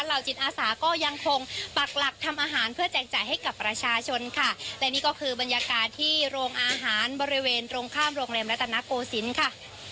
จิตอาสาก็ยังคงปักหลักทำอาหารเพื่อแจกจ่ายให้กับประชาชนค่ะและนี่ก็คือบรรยากาศที่โรงอาหารบริเวณตรงข้ามโรงแรมรัตนโกศิลป์ค่ะ